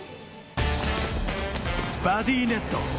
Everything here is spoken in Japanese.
バディネット。